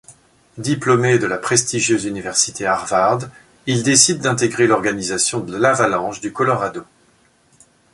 Diplômé de la prestigieuse université Harvard, il décide d'intégrer l'organisation de l'Avalanche du Colorado.